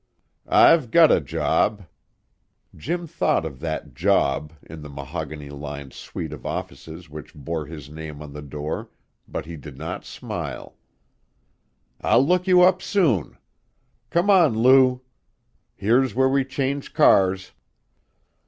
"I've got a job." Jim thought of that "job" in the mahogany lined suite of offices which bore his name on the door, but he did not smile. "I'll look you up soon. Come on, Lou; here's where we change cars."